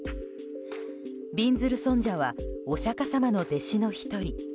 びんずる尊者はお釈迦様の弟子の１人。